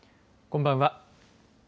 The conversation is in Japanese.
こんばんは。